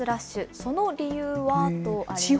その理由は？とあります。